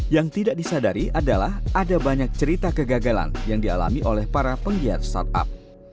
yang tidak disadari adalah ada banyak cerita kegagalan yang dialami oleh para penggiat startup